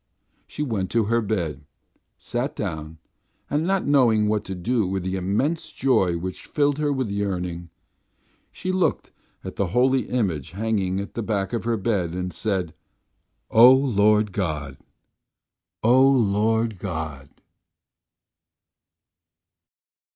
She went to her bed, sat down, and not knowing what to do with the immense joy which filled her with yearning, she looked at the holy image hanging at the back of her bed, and said: "Oh, Lord God! Oh, Lord God!"